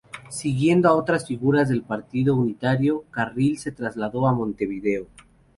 Siguiendo a otras figuras del partido unitario, Carril se trasladó a Montevideo.